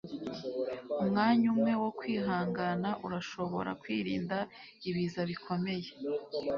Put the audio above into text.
umwanya umwe wo kwihangana urashobora kwirinda ibiza bikomeye